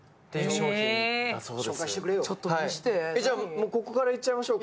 もう、ここからいっちゃいましよう。